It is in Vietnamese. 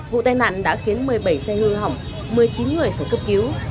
vụ tai nạn đã khiến một mươi bảy xe hư hỏng một mươi chín người phải cấp cứu